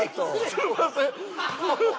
すいません。